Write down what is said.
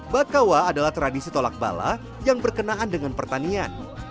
bakawa adalah tradisi tolak bala yang berkenaan dengan pertanian